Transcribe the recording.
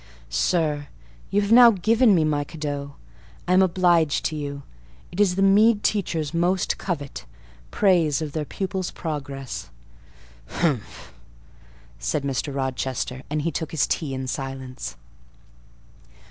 "Sir, you have now given me my 'cadeau;' I am obliged to you: it is the meed teachers most covet—praise of their pupils' progress." "Humph!" said Mr. Rochester, and he took his tea in silence.